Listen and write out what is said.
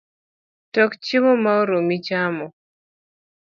Tok chiemo ma oromi chamo